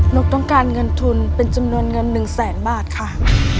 นกต้องการเงินทุนเป็นจำนวนเงิน๑แสนบาทค่ะ